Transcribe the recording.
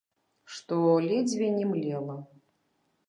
Што ледзьве не млела.